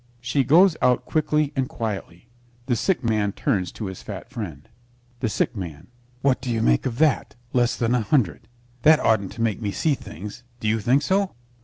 She goes out quickly and quietly. The Sick Man turns to his fat friend. THE SICK MAN What do you make of that? Less than a hundred. That oughtn't to make me see things; do you think so?